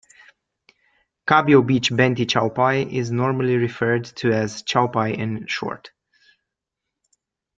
Kabiyo Bach Benti Chaupai is normally referred to as Chaupai in short.